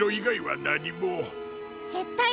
ぜったい